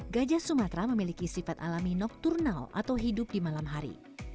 gajah sumatera memiliki sifat alami nokturnal atau hidup di malam hari